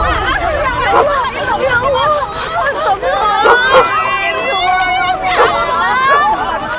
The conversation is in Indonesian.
ya allah pak